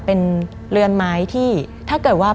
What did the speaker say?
เป็นเรือนไม้ที่ถ้าเกิดว่า